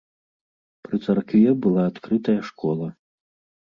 Пры царкве была адкрытая школа.